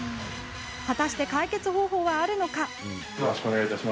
果たして解決方法はあるのか。